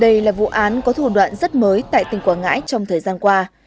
đây là vụ án có thủ đoạn rất mới tại tỉnh quảng ngãi trong thời gian qua